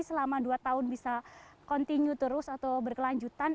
selama dua tahun bisa berkelanjutan